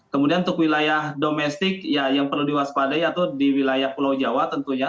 kemudian untuk wilayah domestik ya yang perlu diwaspadai atau di wilayah pulau jawa tentunya